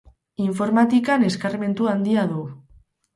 Informatikan eskarmentu handia du.